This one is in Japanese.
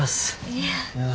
いや。